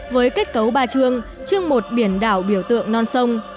với kết cấu ba trường trường một biển đảo biểu tượng non sông